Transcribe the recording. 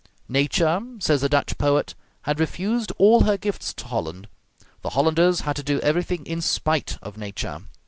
Nature, says a Dutch poet, had refused all her gifts to Holland; the Hollanders had to do everything in spite of nature.